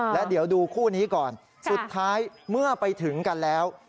แล้วเดี๋ยวดูคู่นี้ก่อนสุดท้ายเมื่อไปถึงกันแล้ว